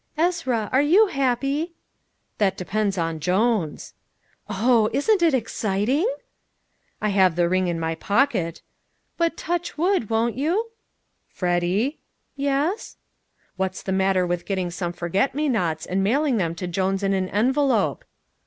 "Ezra, are you happy?" "That depends on Jones." "Oh, isn't it exciting?" "I have the ring in my pocket " "But touch wood, won't you?" "Freddy?" "Yes " "What's the matter with getting some forget me nots and mailing them to Jones in an envelope?"